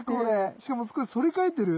しかも少し反り返ってる？